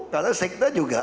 karena sekda juga